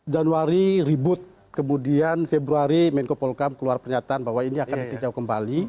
januari ribut kemudian februari menko polkam keluar pernyataan bahwa ini akan ditinjau kembali